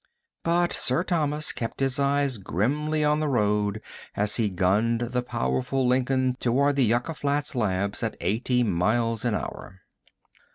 But Sir Thomas kept his eyes grimly on the road as he gunned the powerful Lincoln toward the Yucca Flats Labs at eighty miles an hour.